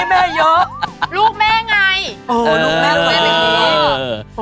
ลูกแม่ลูกแม่แบบนี้